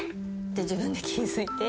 自分で気付いて。